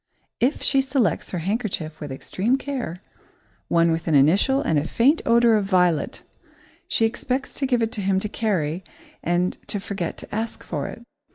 If she selects her handkerchief with extreme care, one with an initial and a faint odour of violet she expects to give it to him to carry and to forget to ask for it.